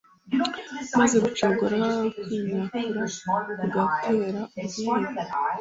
maze gucogora kw’imyakura kugatera ubwihebe